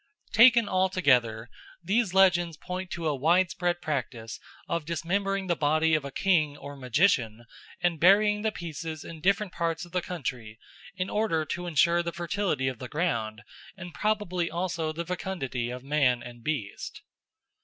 Taken all together, these legends point to a widespread practice of dismembering the body of a king or magician and burying the pieces in different parts of the country in order to ensure the fertility of the ground and probably also the fecundity of man and beast.